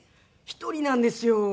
１人なんですよ。